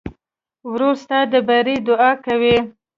ورور ستا د بري دعا کوي.